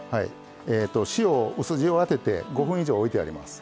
塩を薄塩当てて５分以上おいてあります。